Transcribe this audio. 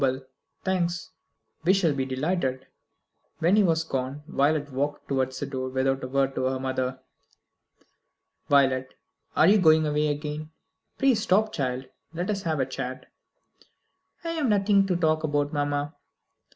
Thanks. We shall be delighted." When he was gone, Violet walked towards the door without a word to her mother. "Violet, are you going away again? Pray stop, child, and let us have a chat." "I have nothing to talk about, mamma."